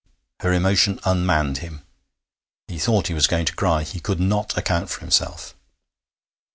Her emotion unmanned him. He thought he was going to cry; he could not account for himself.